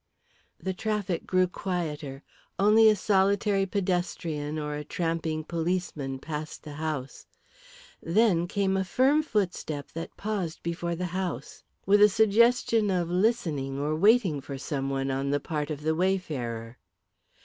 The traffic grew quieter, only a solitary pedestrian or a tramping policeman passed the house. Then came a firm footstep that paused before the house, with a suggestion of listening or waiting for someone on the part of the wayfarer.